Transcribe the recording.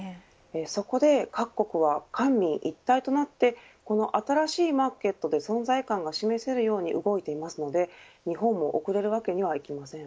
そこで各国は官民一体となってこの新しいマーケットで存在感が示せるように動いているように見えますので日本も遅れるわけにはいきません。